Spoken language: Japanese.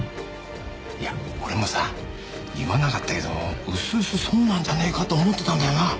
いや俺もさ言わなかったけど薄々そうなんじゃねえかと思ってたんだよな。